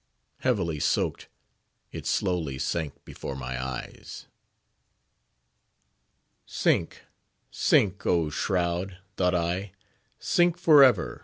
Heavily soaked, it slowly sank before my eyes. Sink! sink! oh shroud! thought I; sink forever!